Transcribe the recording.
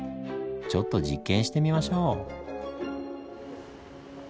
ちょっと実験してみましょう。